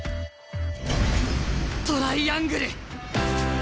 トライアングル！